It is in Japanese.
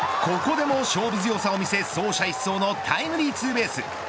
ここでも勝負強さを見せ走者一掃のタイムリーツーベース。